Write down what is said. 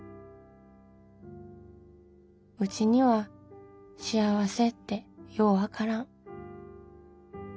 「うちには幸せってようわからん。